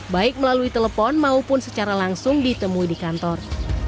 baik melalui telepon maupun secara langsung ditemui di kantor